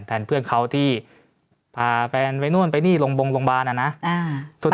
เพื่อนเขาที่พาแฟนไปนู่นไปนี่ลงบงโรงพยาบาลน่ะนะ